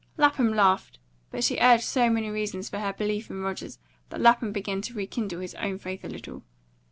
Lapham laughed, but she urged so many reasons for her belief in Rogers that Lapham began to rekindle his own faith a little.